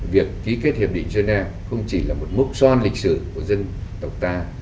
việc ký kết hiệp định geneva không chỉ là một mốc son lịch sử của dân tộc ta